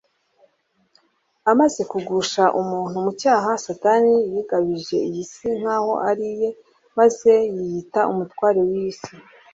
Amaze kugusha umuntu mu cyaha, Satani yigabije iyi si nkaho ari iye, maze yiyita umutware w'iyi si